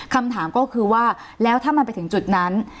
คำถามก็คือถ้ามันไปถึงจุดนั้น